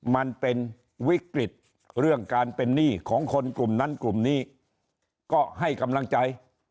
มันเป็นวิกฤตเรื่องการเป็นหนี้ของคนกลุ่มนั้นกลุ่มนี้ก็ให้กำลังใจ